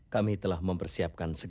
kami telah mempersiapkan segala jenis